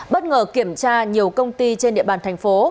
bất ngờ kiểm tra nhiều công ty trên địa bàn thành phố